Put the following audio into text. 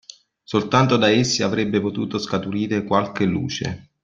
Soltanto da essi avrebbe potuto scaturire qualche luce.